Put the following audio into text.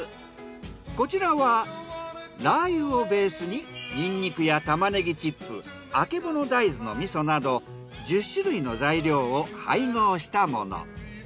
こちらはラー油をベースにニンニクやタマネギチップあけぼの大豆の味噌など１０種類の材料を配合したもの。